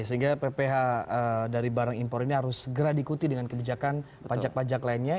sehingga pph dari barang impor ini harus segera diikuti dengan kebijakan pajak pajak lainnya